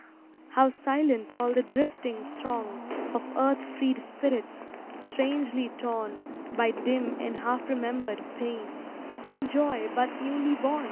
How silent all the drifting throng Of earth freed spirits, strangely torn By dim and half remembered pain And joy but newly born!